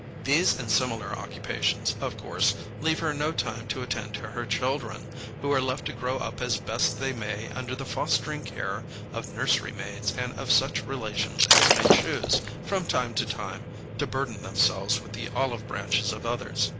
These and similar occupations, of course, leave her no time to attend to her children, who are left to grow up as best they may under the fostering care of nursery maids and of such relations as may choose, from time to time, to burden themselves with the olive branches of others.